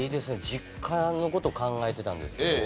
実家の事考えてたんですけど。